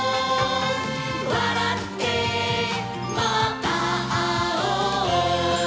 「わらってまたあおう」